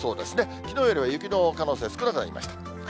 きのうよりは雪の可能性少なくなりました。